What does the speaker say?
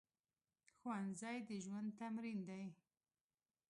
ښوونځی د ژوند تمرین دی